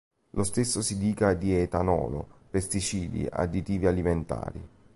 Lo stesso si dica di etanolo, pesticidi, additivi alimentari.